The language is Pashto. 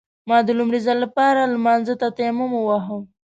ما د لومړي ځل لپاره لمانځه ته تيمم وواهه.